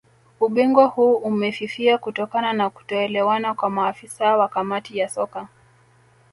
Ubingwa huu umefifia kutokana na kutoelewana kwa maafisa wa Kamati ya Soka